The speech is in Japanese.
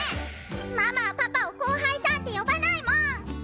ママはパパを後輩さんって呼ばないもん！